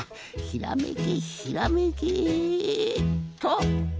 ひらめけひらめけっと。